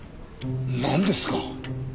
なんですか？